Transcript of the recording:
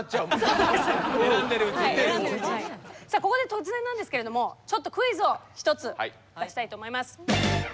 さあここで突然なんですけれどもちょっとクイズを１つ出したいと思います。